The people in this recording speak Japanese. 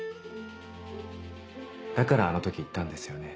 だからあの時言ったんですよね？